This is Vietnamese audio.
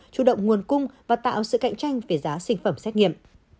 chủ động nguồn cung và tạo sự cạnh tranh về giá sinh phẩm xét nghiệm